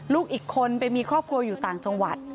ลูกอีกคนไปมีครอบครัวอยู่ต่างจังหวัด